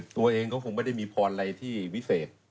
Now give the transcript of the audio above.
ตัวเองก็คงไม่ได้มีพรอะไรที่วิเศษ